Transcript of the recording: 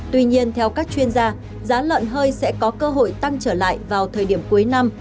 tuy nhiên theo các chuyên gia giá lợn hơi sẽ có cơ hội tăng trở lại vào thời điểm cuối năm